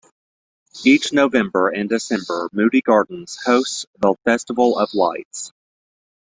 Each November and December Moody Gardens hosts the Festival of Lights.